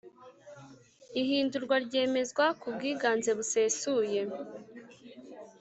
Ihundurwa ryemezwa ku bwiganze busesuye